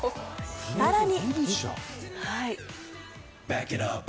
さらに。